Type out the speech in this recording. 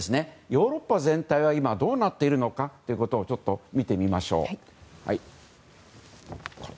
ヨーロッパ全体は今、どうなっているのかということを見てみましょう。